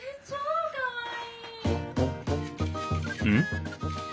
うん？